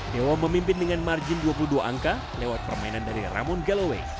dewa memimpin dengan margin dua puluh dua angka lewat permainan dari ramon gallaway